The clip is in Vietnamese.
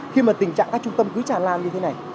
khi mà tình trạng các trung tâm cứ tràn lan như thế này